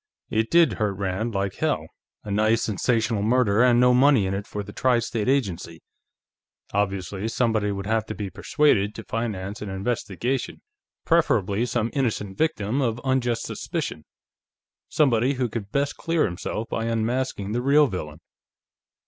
It did hurt Rand like hell; a nice, sensational murder and no money in it for the Tri State Agency. Obviously, somebody would have to be persuaded to finance an investigation. Preferably some innocent victim of unjust suspicion; somebody who could best clear himself by unmasking the real villain....